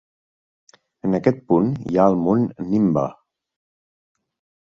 En aquest punt hi ha el mont Nimba.